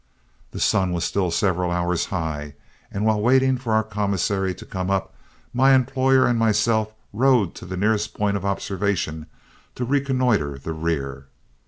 The sun was still several hours high, and while waiting for our commissary to come up, my employer and myself rode to the nearest point of observation to reconnoitre the rear.